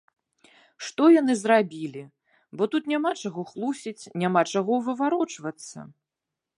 Што яны зрабілі, бо тут няма чаго хлусіць, няма чаго выварочвацца.